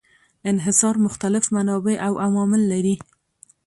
انحصار مختلف منابع او عوامل لري.